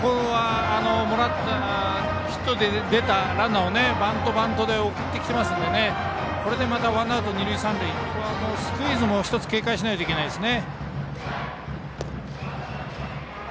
ヒットで出たランナーをバント、バントで送ってきてますのでこれでまたワンアウト二塁三塁なのでスクイズも警戒しないといけないです。